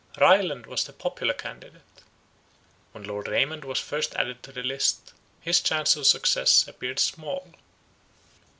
Ryland was the popular candidate; when Lord Raymond was first added to the list, his chance of success appeared small.